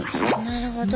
なるほど。